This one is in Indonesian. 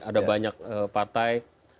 ada banyak partai